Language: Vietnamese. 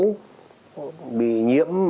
đã bị nhiễm sán lợn